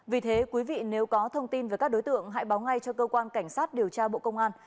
vì thế quý vị nếu có thông tin về các đối tượng hãy báo ngay cho cơ quan cảnh sát điều tra bộ công an